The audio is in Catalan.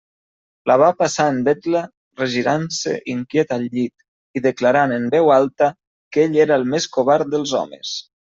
La va passar en vetla, regirant-se inquiet al llit, i declarant en veu alta que ell era el més covard dels homes.